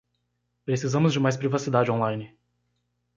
Precisamos de mais privacidade online.